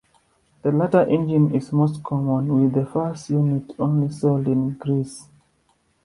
The latter engine is most common, with the first unit only sold in Greece.